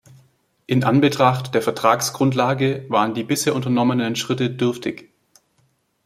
In Anbetracht der Vertragsgrundlage waren die bisher unternommenen Schritte dürftig.